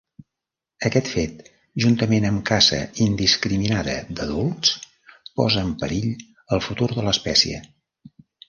Aquest fet, juntament amb caça indiscriminada d'adults, posa en perill el futur de l'espècie.